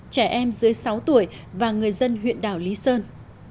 trẻ em dưới sáu tuổi và người dân huyện đảo lý sơn